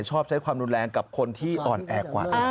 ชอบใช้ความรุนแรงกับคนที่อ่อนแอกว่า